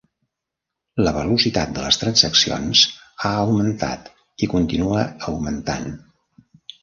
La velocitat de les transaccions ha augmentat i continua augmentant.